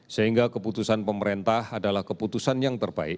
sehingga keputusan pemerintah adalah keputusan yang terbaik